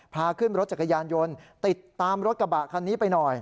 พาขึ้นรถจักรยานยนต์ติดตามรถกระบะคันนี้ไปหน่อย